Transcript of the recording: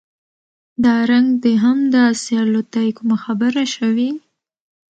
دا رنګ د هم داسې الوتى کومه خبره شوې؟